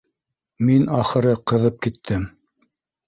Мин, ахыры, ҡыҙып киттем.